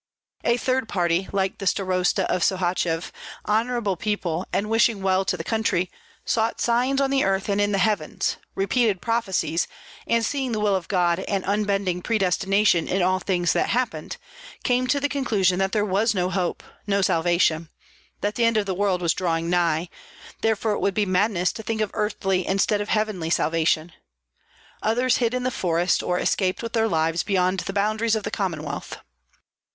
A third party, like the starosta of Sohachev, honorable people and wishing well to the country, sought signs on the earth and in the heavens, repeated prophecies, and seeing the will of God and unbending predestination in all things that happened, came to the conclusion that there was no hope, no salvation; that the end of the world was drawing nigh; therefore it would be madness to think of earthly instead of heavenly salvation. Others hid in the forest, or escaped with their lives beyond the boundaries of the Commonwealth.